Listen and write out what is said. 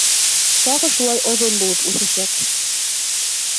Тағы шулай оҙон булып үҫәсәк.